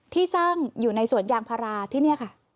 ที่สร้างอยู่ในสวนยางพาราที่นี่ค่ะ